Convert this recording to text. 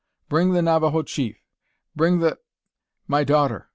Bring the Navajo chief. Bring the my daughter!"